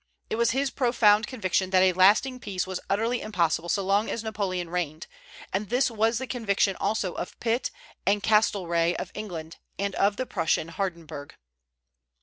It was his profound conviction that a lasting peace was utterly impossible so long as Napoleon reigned; and this was the conviction also of Pitt and Castlereagh of England and of the Prussian Hardenberg.